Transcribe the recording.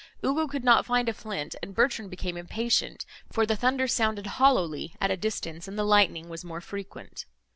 Ugo could not find a flint, and Bertrand became impatient, for the thunder sounded hollowly at a distance, and the lightning was more frequent.